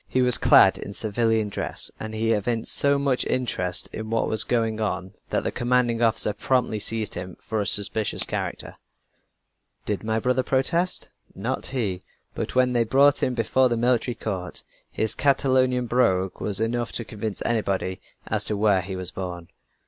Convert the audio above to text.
He was clad in civilian dress and he evinced so much interest in what was going on that the commanding officer promptly seized him for a suspicious character. "Did my brother protest? Not he. But when they brought him before the military court, his Catalonian brogue was enough to convince anybody as to where he was born.